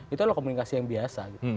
itu adalah komunikasi yang biasa